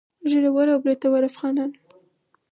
ږيره ور او برېتور افغانان.